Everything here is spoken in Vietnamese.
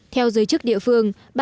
theo giới chức địa phương